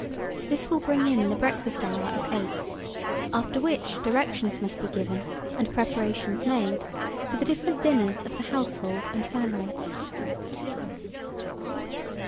This will bring in the breakfast hour of eight, after which, directions must be given, and preparations made, for the different dinners of the household and family.